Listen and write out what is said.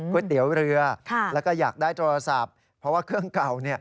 เตี๋ยวเรือแล้วก็อยากได้โทรศัพท์เพราะว่าเครื่องเก่า